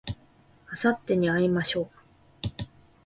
あさってに会いましょう